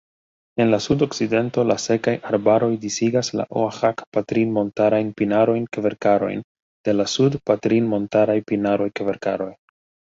En la sudokcidento la sekaj arbaroj disigas la oaĥak-patrinmontarajn pinarojn-kverkarojn de la sud-patrinmontaraj pinaroj-kverkaroj.